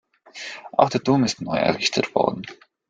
Auch der Turm ist neu errichtet worden.